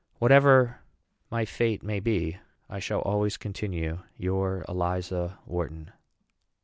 Whatever my fate may be, I shall always continue your ELIZA WHARTON.